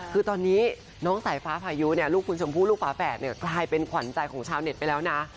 คือตอนนี้น้องสายฟ้าพายุเนี่ยลูกคุณชมพู่ลูกฝาแฝดเนี่ยกลายเป็นขวัญใจของชาวเน็ตไปแล้วนะ